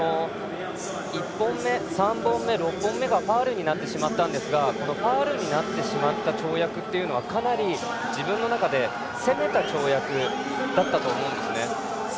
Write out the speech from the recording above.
１本目、３本目６本目がファウルになりましたがファウルになってしまった跳躍というのはかなり、自分の中で攻めた跳躍だったと思います。